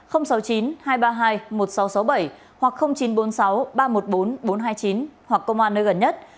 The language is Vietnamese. sáu mươi chín hai trăm ba mươi hai một nghìn sáu trăm sáu mươi bảy hoặc chín trăm bốn mươi sáu ba trăm một mươi bốn bốn trăm hai mươi chín hoặc công an nơi gần nhất